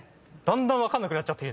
だんだん分かんなくなっちゃって。